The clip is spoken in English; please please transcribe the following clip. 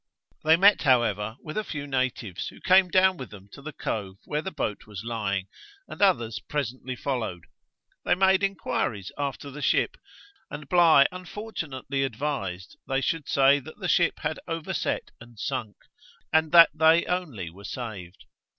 They met however with a few natives, who came down with them to the cove where the boat was lying; and others presently followed. They made inquiries after the ship, and Bligh unfortunately advised they should say that the ship had overset and sunk, and that they only were saved.